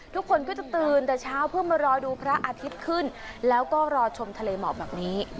ทุกคนก็จะตื่นแต่เช้าเพื่อมารอดูพระอาทิตย์ขึ้นแล้วก็รอชมทะเลหมอกแบบนี้